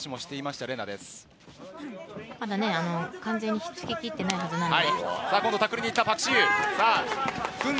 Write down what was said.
ただ完全に治りきっていないはずなので。